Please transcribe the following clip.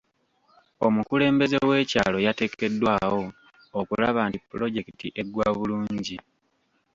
Omukulembeze w'ekyalo yateekeddwawo okulaba nti pulojekiti eggwa bulungi.